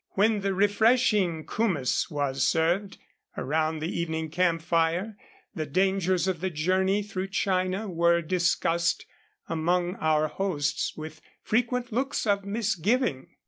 When the refreshing kumiss was served around the evening camp fire, the dangers of the journey through China were discussed among our hosts with frequent looks of misgiving.